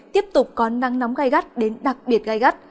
tiếp tục có nắng nóng gai gắt đến đặc biệt gai gắt